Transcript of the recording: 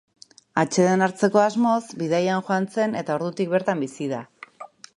Atseden hartzeko asmoz bidaian joan zen eta ordutik bertan bizi da.